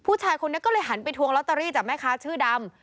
ผู้ชายคนนี้ก็เลยหันไปทวงลอตเตอรี่จากแม่ค้าชื่อดำ